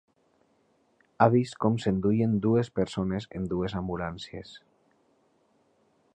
Ha vist com s'enduien dues persones en dues ambulàncies.